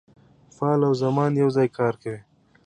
فعل او زمان یو ځای کار کوي.